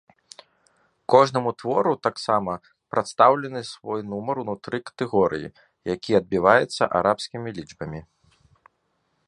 Кожнаму твору таксама прадстаўлены свой нумар ўнутры катэгорыі, які адбіваецца арабскімі лічбамі.